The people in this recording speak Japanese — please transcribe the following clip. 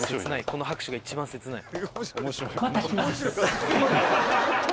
この拍手が一番切ない。